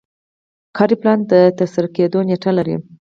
کاري پلان د ترسره کیدو نیټه لري.